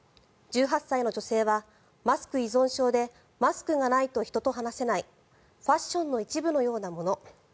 １８歳の女性はマスク依存症でマスクがないと人と話せないファッションの一部のようなもの。